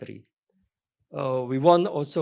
kami juga ingin ms